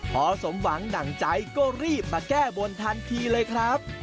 พอสมหวังดั่งใจก็รีบมาแก้บนทันทีเลยครับ